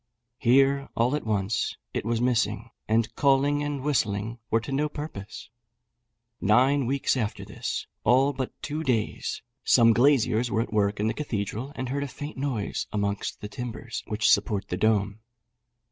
Here, all at once, it was missing; and calling and whistling were to no purpose. Nine weeks after this, all but two days, some glaziers were at work in the cathedral, and heard a faint noise amongst the timbers which support the dome.